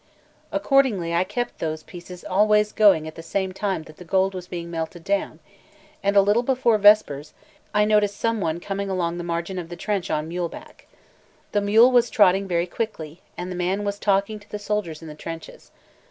Accordingly I kept these pieces always going at the same time that the gold was being melted down; and a little before vespers I noticed some one coming along the margin of the trench on muleback. The mule was trotting very quickly, and the man was talking to the soldiers in the trenches.